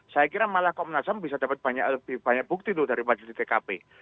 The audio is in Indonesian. saya kira malah komnasem bisa dapat banyak bukti daripada di tkp